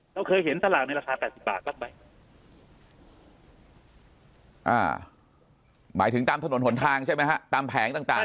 เราเคยเห็นตลาดในราคาแปดสิบบาทรับไปอ่าหมายถึงตามถนนหล่นทางใช่ไหมฮะตามแผงต่างต่าง